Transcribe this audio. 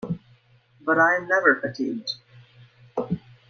But I am never fatigued.